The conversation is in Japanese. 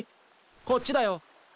こっちだよ。